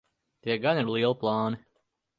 Tie gan ir lieli plāni.